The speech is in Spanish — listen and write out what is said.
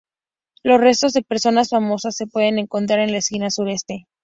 Los restos de personas famosas se pueden encontrar en la esquina suroeste.